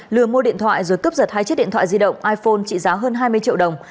lừa mua điện thoại rồi cướp giật hai chiếc điện thoại di động iphone trị giá hơn hai mươi triệu đồng